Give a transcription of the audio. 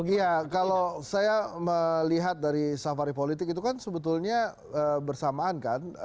iya kalau saya melihat dari safari politik itu kan sebetulnya bersamaan kan